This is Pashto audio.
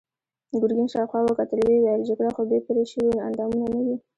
ګرګين شاوخوا وکتل، ويې ويل: جګړه خو بې پرې شويوو اندامونو نه وي.